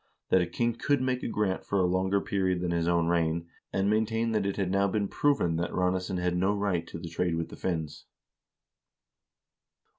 KING EYSTEIN MAGNUSSON'S REIGN 329 king could make a grant for a longer period than his own reign, and maintained that it had now been proven that Ranesson had no right to the trade with the Finns.